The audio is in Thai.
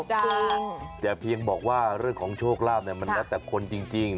จริงแต่เพียงบอกว่าเรื่องของโชคลาภเนี่ยมันแล้วแต่คนจริง